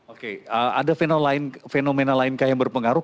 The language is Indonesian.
oke ada fenomena lain kah yang berpengaruh